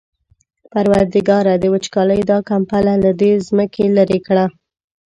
پروردګاره د وچکالۍ دا کمپله له دې ځمکې لېرې کړه.